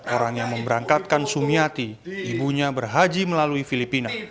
orang yang memberangkatkan sumiati ibunya berhaji melalui filipina